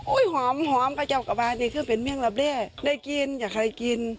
อุ้ยหอมหอมข้าเจ้ากลับไปนี่คือเป็นเมืองรับแรกได้กินอยากใครกิน